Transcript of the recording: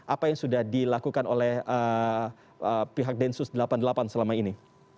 apa yang sudah dilakukan oleh pihak densus delapan puluh delapan selama ini